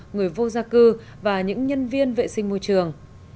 người vô gia cư và những nhân viên vệ sinh môi trường